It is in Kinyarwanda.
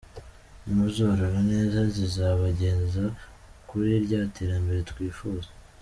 Nimuzorora neza zizabageza kuri rya terambere twifuza.